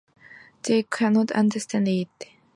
They cannot understand it.